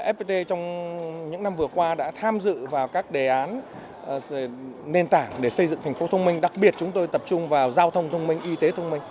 fpt trong những năm vừa qua đã tham dự vào các đề án nền tảng để xây dựng thành phố thông minh đặc biệt chúng tôi tập trung vào giao thông thông minh y tế thông minh